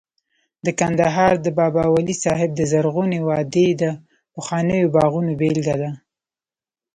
د کندهار د بابا ولی صاحب د زرغونې وادۍ د پخوانیو باغونو بېلګه ده